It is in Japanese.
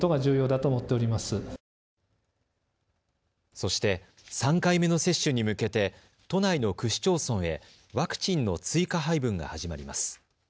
そして３回目の接種に向けて都内の区市町村へワクチンの追加配分が始まります。